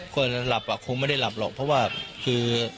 ก็หลับคงไม่ได้หลับหรอกเพราะว่าคือ